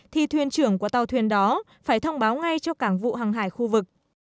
thì thuyền trưởng của tàu thuyền đó phải thông báo ngay cho cảng vụ hàng hải khu vực